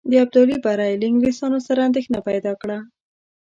د ابدالي بری له انګلیسیانو سره اندېښنه پیدا کړه.